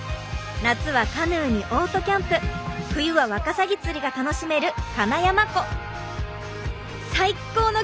夏はカヌーにオートキャンプ冬はワカサギ釣りが楽しめるかなやま湖。